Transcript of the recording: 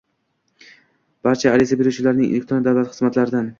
barcha ariza beruvchilarning elektron davlat xizmatlaridan